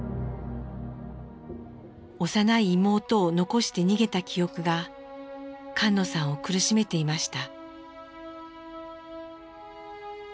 幼い妹を残して逃げた記憶が菅野さんを苦しめていました。